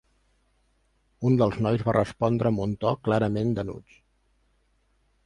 Un dels nois va respondre amb un to clarament d'enuig.